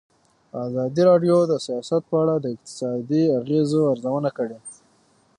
ازادي راډیو د سیاست په اړه د اقتصادي اغېزو ارزونه کړې.